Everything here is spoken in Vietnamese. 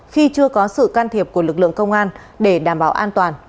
khi chưa có sự can thiệp của lực lượng công an để đảm bảo an toàn